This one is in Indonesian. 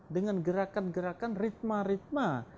dengan gerakan gerakan ritma ritma